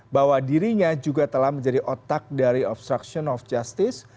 bahwa dirinya juga telah menjadi otak dari obstruction of justice